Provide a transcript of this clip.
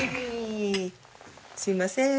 すいません。